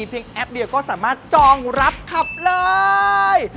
แอปเดียวก็สามารถจองรับขับเลย